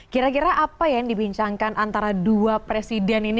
kira kira apa yang dibincangkan antara dua presiden ini